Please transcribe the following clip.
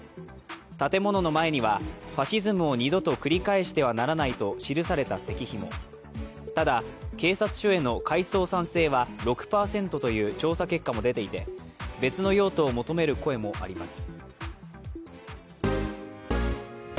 建物の前にはファシズムを二度と繰り返してはならないと記された石碑もただ、警察署への改装賛成は６％という調査結果も出ていて別の用途を求める声もあります。